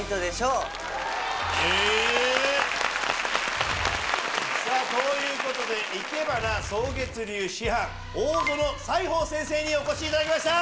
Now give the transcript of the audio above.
へぇ！ということで生け花草月流師範大薗彩芳先生にお越しいただきました。